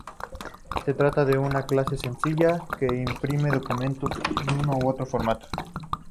Se trata de una clase sencilla que imprime documentos en uno u otro formato.